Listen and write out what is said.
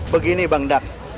begini bang dak